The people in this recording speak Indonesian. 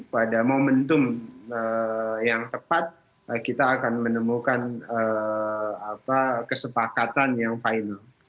pada momentum yang tepat kita akan menemukan kesepakatan yang final